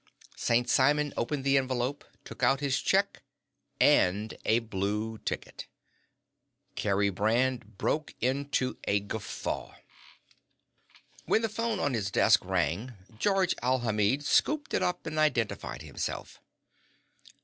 St. Simon opened the envelope, took out his check and a blue ticket. Kerry Brand broke into a guffaw. When the phone on his desk rang, Georges Alhamid scooped it up and identified himself.